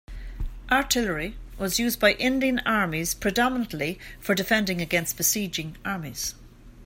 Artillery was used by Indian armies predominantly for defending against besieging armies.